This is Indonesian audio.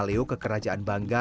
nicolas mengatakan bahwa